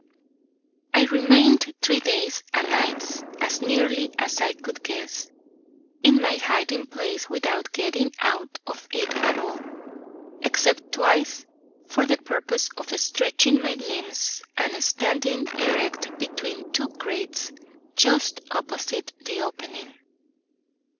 I remained three days and nights (as nearly as I could guess) in my hiding place without getting out of it at all, except twice for the purpose of stretching my limbs by standing erect between two crates just opposite the opening.